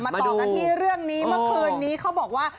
ต่อกันที่เรื่องนี้เมื่อคืนนี้เขาบอกว่า